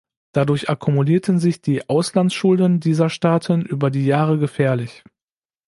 Dadurch akkumulierten sich die Auslandsschulden dieser Staaten über die Jahre gefährlich.